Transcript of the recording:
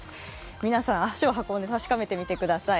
皆さん、足を運んで確かめてみてください。